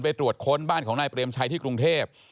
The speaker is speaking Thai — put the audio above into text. ตรวจค้นบ้านของนายเปรมชัยที่กรุงเทพ